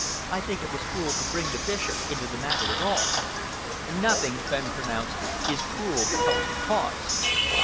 I think it was cruel to bring the Bishop into the matter at all." "Nothing," Fenn pronounced, "is cruel that helps the cause.